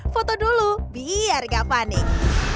foto dulu biar gak panik